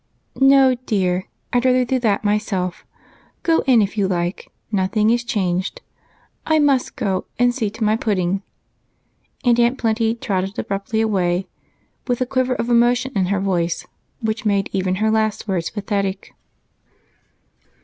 "No, dear, I'd rather do that myself. Go in if you like, nothing is changed. I must go and see to my pudding." And Aunt Plenty trotted abruptly away with a quiver of emotion in her voice which made even her last words pathetic.